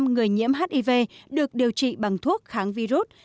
chín mươi người nhiễm hiv được điều trị bằng thuốc kháng virus